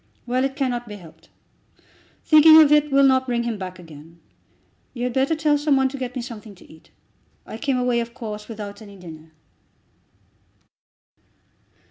Well, it cannot be helped. Thinking of it will not bring him back again. You had better tell some one to get me something to eat. I came away, of course, without any dinner."